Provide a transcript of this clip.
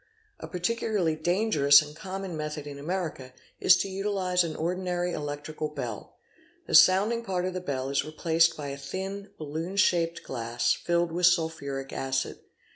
A particularly dangerous and common method in America is to utilise an ordinary electrical bell. The sounding part of the bell is replaced by a thin balloon shaped glass filled with sulphuric acid.